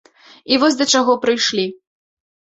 І вось да чаго прыйшлі.